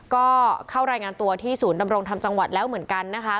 ก็เข้ารายงานตัวที่ศูนย์ดำรงธรรมจังหวัดแล้วเหมือนกันนะคะ